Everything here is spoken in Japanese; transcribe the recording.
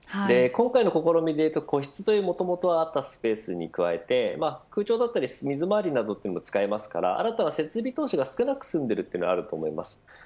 今回の試みでいうと個室というもともとあったスペースに加えて空調であったり水まわりなども使えますから新たな設備投資が少なく済んでいるというのもあると思います。